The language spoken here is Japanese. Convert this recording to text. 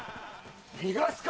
逃がすか！